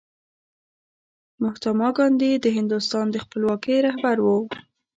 مهاتما ګاندي د هندوستان د خپلواکۍ رهبر و.